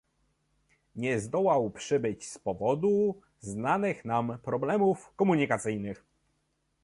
Nie zdołał przybyć z powodu znanych nam problemów komunikacyjnych